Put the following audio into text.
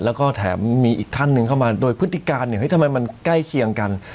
แล้วก็แถมมีอีกท่านหนึ่งเข้ามาโดยพฤติการเนี่ยเฮ้ทำไมมันใกล้เคียงกัน